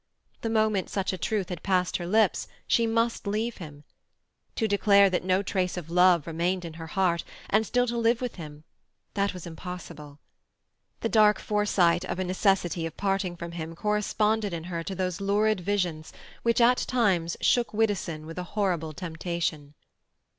The moment such a truth had passed her lips she must leave him. To declare that no trace of love remained in her heart, and still to live with him—that was impossible! The dark foresight of a necessity of parting from him corresponded in her to those lurid visions which at times shook Widdowson with a horrible temptation.